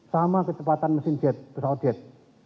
sama kecepatan mesin jet pesawat jet